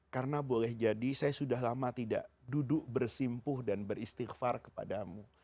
karena boleh jadi saya sudah lama tidak duduk bersimpuh dan beristighfar kepada mu